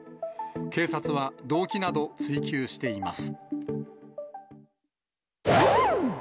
警察は、動機など追及しています。